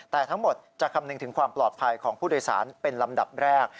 แต่ทั้งหมดจะคำนึงถึงความปลอดภัยของผู้โดยสารเป็นลำดับแรก